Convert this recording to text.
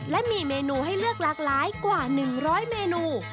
และมีเมนูให้เลือกหลากหลายกว่า๑๐๐เมนู